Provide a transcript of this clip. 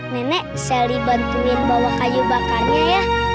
nenek sally bantuin bawa kayu bakarnya ya